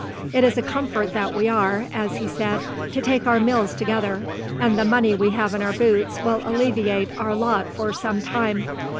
It is a comfort that we are, as he said, to take our meals together, and the money we have in our boots will alleviate our lot for some time.